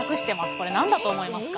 これ何だと思いますか？